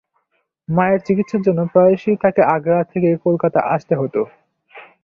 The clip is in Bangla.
মায়ের চিকিৎসার জন্য প্রায়শই তাকে আগ্রা থেকে কলকাতা আসতে হত।